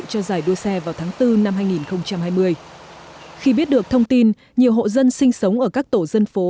cho giải đua xe vào tháng bốn năm hai nghìn hai mươi khi biết được thông tin nhiều hộ dân sinh sống ở các tổ dân phố